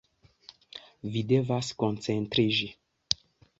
Vi devas koncentriĝi.